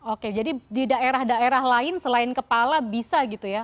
oke jadi di daerah daerah lain selain kepala bisa gitu ya